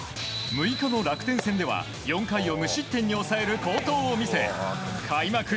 ６日の楽天戦では４回を無失点に抑える好投を見せ開幕